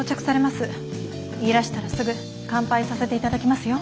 いらしたらすぐ乾杯させて頂きますよ。